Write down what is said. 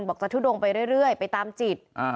บอกจะทุดงไปเรื่อยไปตามจิต